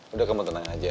udah kamu tenang aja